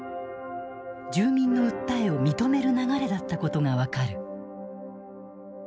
住民の訴えを認める流れだったことが分かる。